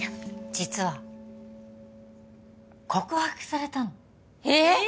実は告白されたのえっ？